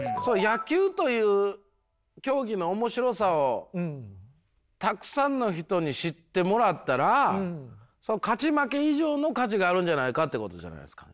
野球という競技の面白さをたくさんの人に知ってもらったらその勝ち負け以上の価値があるんじゃないかってことじゃないですか。